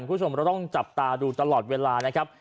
คุณผู้ชมเราต้องจับตาดูตลอดเวลานะครับ